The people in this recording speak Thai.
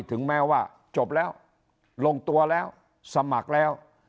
ถึงแม้ว่าจบแล้วลงตัวแล้วสมัครแล้ว